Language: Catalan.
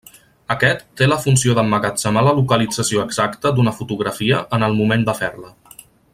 Aquest té la funció d'emmagatzemar la localització exacta d'una fotografia en el moment de fer-la.